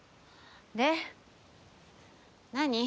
で何？